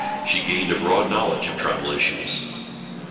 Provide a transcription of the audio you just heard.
She gained a broad knowledge of tribal issues.